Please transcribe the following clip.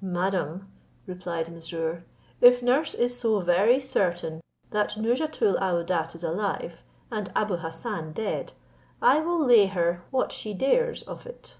"Madam," replied Mesrour, "if nurse is so very certain that Nouzhatoul aouadat is alive, and Abou Hassan dead, I will lay her what she dares of it."